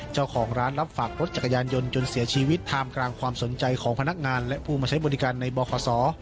เจ้าของร้านรับฝากรถจักรยานยนต์จนเสียชีวิตท่ามกลางความสนใจของพนักงานและผู้มาใช้บริการในบข